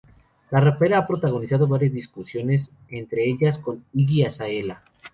La rapera ha protagonizado varias discusiones, entre ellas con Iggy Azalea.